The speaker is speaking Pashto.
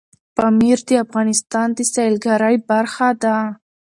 پامیر د افغانستان د سیلګرۍ برخه ده.